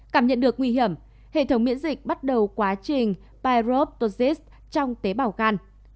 cảm nhận được nguy hiểm hệ thống miễn dịch bắt đầu quá trình pyrovosis trong tế bào gan